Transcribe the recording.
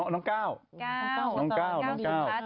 น้องก้าวน้องก้าว